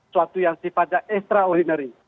suatu yang sifatnya ekstra ordinary